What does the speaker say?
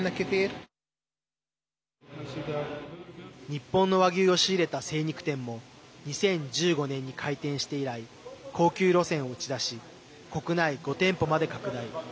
日本の和牛を仕入れた精肉店も２０１５年に開店して以来高級路線を打ち出し国内５店舗まで拡大。